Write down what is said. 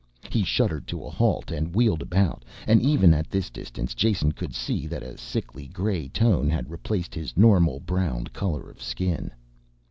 He shuddered to a halt and wheeled about, and even at this distance Jason could see that a sickly gray tone had replaced his normal browned color of his skin.